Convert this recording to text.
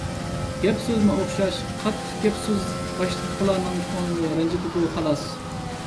گەپ-سۆزمۇ ئوخشاش. قاتتىق گەپ-سۆز باشقىلارنىڭ كۆڭلىنى رەنجىتىدۇ، خالاس.